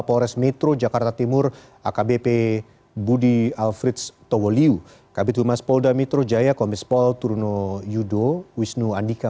polres metro jakarta timur akbp budi alfreds tawoliu kabinet humas polda metro jaya komis pol turuno yudo wisnu andika